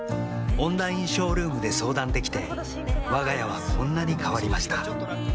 オンラインショールームで相談できてわが家はこんなに変わりました